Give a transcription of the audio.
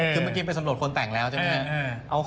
คือเมื่อกี้ไปสำรวจคนแต่งแล้วใช่ไหมครับ